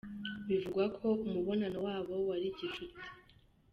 Bivugwa ko umubonano wabo wari gicuti.